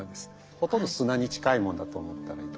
ほとんど砂に近いものだと思ったらいいと思う。